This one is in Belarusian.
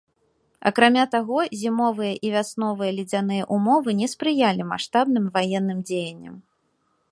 Акрамя таго, зімовыя і вясновыя ледзяныя ўмовы не спрыялі маштабным ваенным дзеянням.